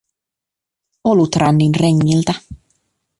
Olutrännin rengiltä.